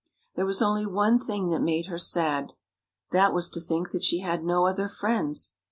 There was only one thing that made her sad: that was to think that she had no other friends.